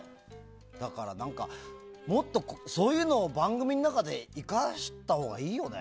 だから、もっとそういうのを番組の中で生かしたほうがいいよね？